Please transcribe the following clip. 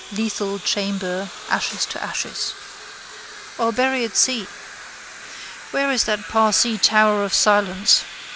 Lethal chamber. Ashes to ashes. Or bury at sea. Where is that Parsee tower of silence?